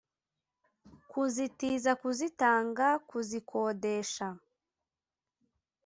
kuzitiza kuzitanga kuzikodesha.